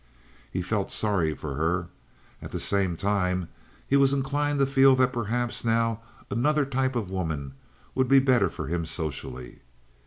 He felt sorry for her. At the same time he was inclined to feel that perhaps now another type of woman would be better for him socially.